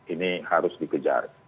ini harus dikejar